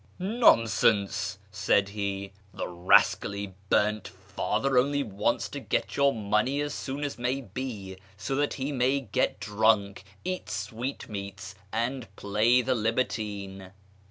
" Nonsense," said he, " the rascally burnt father only wants to get your money as soon as may be, so that he may get drunk, eat sweetmeats, and play the libertine.